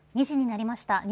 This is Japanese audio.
２時になりました。